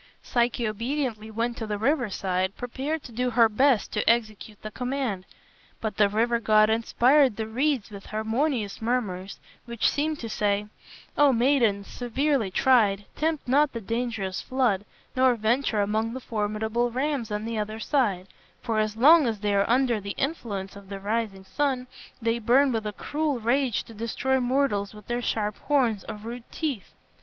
Psyche obediently went to the riverside, prepared to do her best to execute the command. But the river god inspired the reeds with harmonious murmurs, which seemed to say, "O maiden, severely tried, tempt not the dangerous flood, nor venture among the formidable rams on the other side, for as long as they are under the influence of the rising sun, they burn with a cruel rage to destroy mortals with their sharp horns or rude teeth.